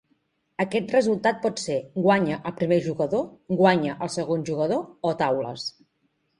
Aquest resultat pot ser: guanya el primer jugador, guanya el segon jugador o taules.